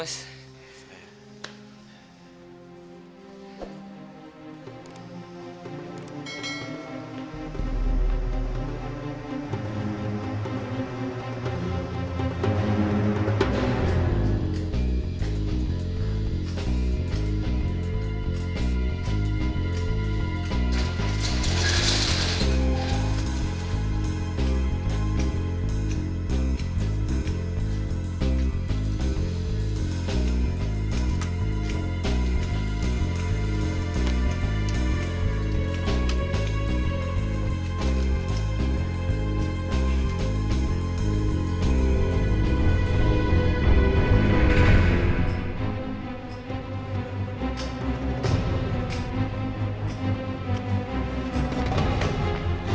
saya keluar dulu mas